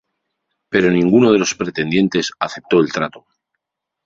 Pero ninguno de los pretendientes aceptó el trato.